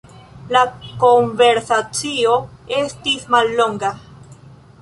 La konversacio estis mallonga.